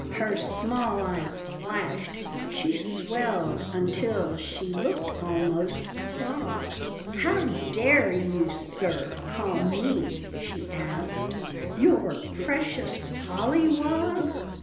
Her small eyes flashed, she swelled until She looked almost a frog; "How dare you, sir, call me," she asked, "Your precious Polly Wog?